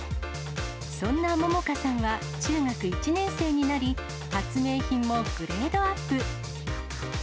そんな杏果さんは中学１年生になり、発明品もグレードアップ。